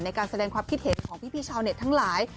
ในการแสดงความคิดเห็นของพี่ชาวเน็ตทั้งหลาย